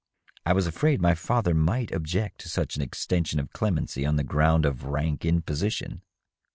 I was afraid my father might object to such an extension of clemency on the ground of rank imposition."